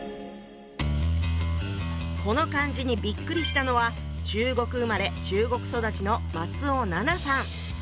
この漢字にびっくりしたのは中国生まれ中国育ちの松尾奈奈さん。